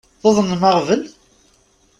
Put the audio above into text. Tuḍnem aɣbel?